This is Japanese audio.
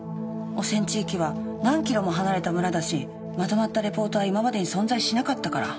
汚染地域は何キロも離れた村だしまとまったレポートは今までに存在しなかったから。